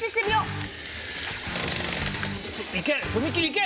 いけ！